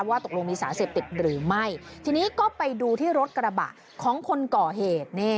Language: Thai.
ว่าตกลงมีสารเสพติดหรือไม่ทีนี้ก็ไปดูที่รถกระบะของคนก่อเหตุ